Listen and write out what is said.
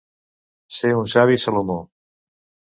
Ser un savi Salomó.